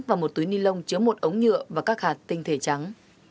và một túi ni lông chứa một ống nhựa và các hạt tinh thể trắng